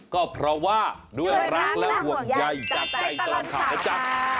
ก็เพราะว่าด้วยรักและห่วงใยจากใจตลอดข่าวนะจ๊ะ